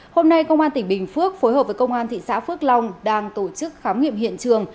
hôm nay công an tỉnh bình phước phối hợp với công an thị xã phước long đang tổ chức khám nghiệm hiện trường